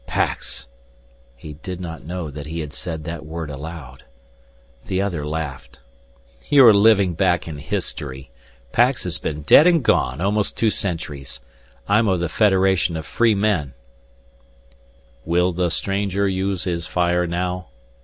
"Pax!" He did not know that he had said that word aloud. The other laughed. "You are living back in history. Pax has been dead and gone almost two centuries. I'm of the Federation of Free Men " "Will the stranger use his fire now?"